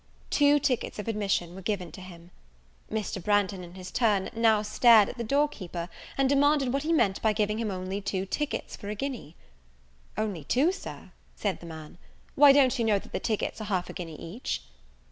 Two tickets of admission were given to him. Mr. Branghton, in his turn, now stared at the door keeper, and demanded what he meant by giving him only two tickets for a guinea. "Only two, Sir!" said the man; "why, don't you know that the tickets are half a guinea each?"